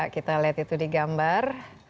kita lihat itu di gambar